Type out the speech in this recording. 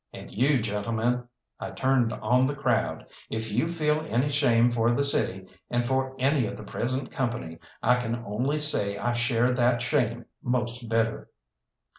And you, gentlemen," I turned on the crowd, "if you feel any shame for the city and for any of the present company, I can only say I share that shame most bitter."